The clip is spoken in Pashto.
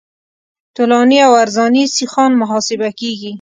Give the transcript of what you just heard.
طولاني او عرضاني سیخان محاسبه کیږي